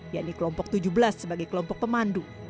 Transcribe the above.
yakni kelompok tujuh belas sebagai kelompok pemandu